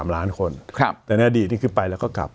๔๓ล้านคนแต่อดีตนี้คือไปและกลับ